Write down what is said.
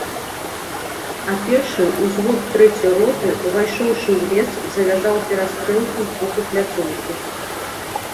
А першы ўзвод трэцяй роты, увайшоўшы ў лес, завязаў перастрэлку з боку пляцоўкі.